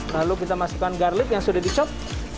lalu kita masukkan garlic yang sudah dicop